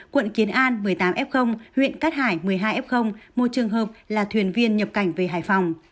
quận kiến an một mươi tám f huyện cát hải một mươi hai f một trường hợp là thuyền viên nhập cảnh về hải phòng